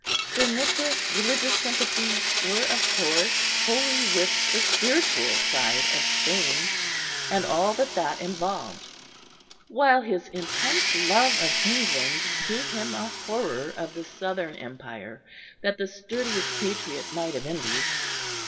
Sir Nicholas' religious sympathies were, of course, wholly with the spiritual side of Spain, and all that that involved, while his intense love of England gave him a horror of the Southern Empire that the sturdiest patriot might have envied.